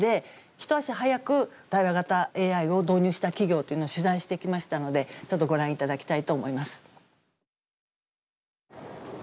一足早く対話型ＡＩを導入した企業というのを取材してきましたので、ちょっとご覧いただきたいと思います。